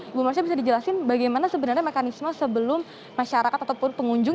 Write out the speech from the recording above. ibu marsya bisa dijelasin bagaimana sebenarnya mekanisme sebelum masyarakat ataupun pengunjung